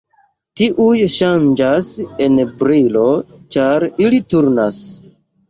Tiuj ŝanĝas en brilo ĉar ili turnas.